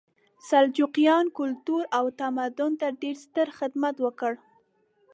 سلجوقیانو کلتور او تمدن ته ډېر ستر خدمت وکړ.